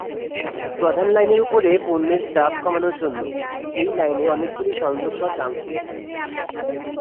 প্রধান লাইনের উপরে পণ্যের চাপ কমানোর জন্য, এই লাইনে অনেকগুলি সংযোগ বা জংশন থাকবে।